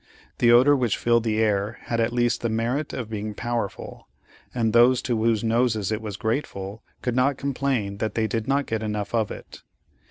The odor which filled the air had at least the merit of being powerful, and those to whose noses it was grateful, could not complain that they did not get enough of it.